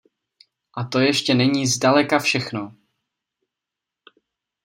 A to ještě není zdaleka všechno...